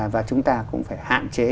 và chúng ta cũng phải hạn chế